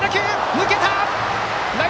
抜けた！